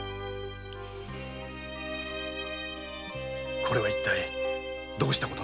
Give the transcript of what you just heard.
これは一体どうした事なんです？